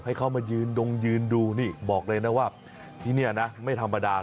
ให้เขามายืนดงยืนดูนี่บอกเลยนะว่าที่นี่นะไม่ธรรมดา